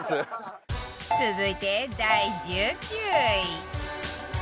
続いて第１９位